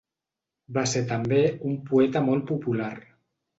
Va ser també un poeta molt popular.